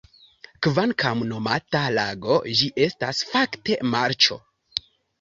Kvankam nomata lago, ĝi estas fakte marĉo.